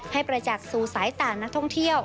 ประจักษ์สู่สายตานักท่องเที่ยว